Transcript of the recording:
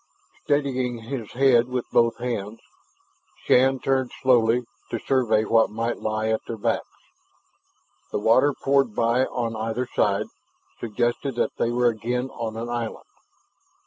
Steadying his head with both hands, Shann turned slowly, to survey what might lie at their backs. The water, pouring by on either side, suggested that they were again on an island.